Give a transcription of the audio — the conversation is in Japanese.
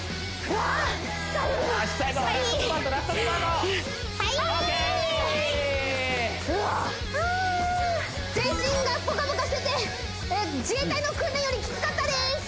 うわ全身がポカポカしてて自衛隊の訓練よりきつかったです